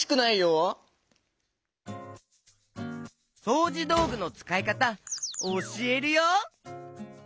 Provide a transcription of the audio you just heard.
そうじどうぐのつかいかたおしえるよ！